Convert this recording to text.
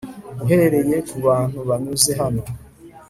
uhereye kubantu banyuze hano